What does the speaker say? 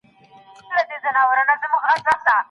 که ئې نيت بله ميرمن وه، نه صحيح کيږي.